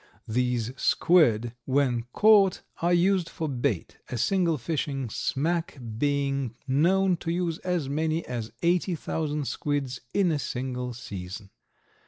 These squid, when caught, are used for bait, a single fishing smack being known to use as many as eighty thousand squids in a single season.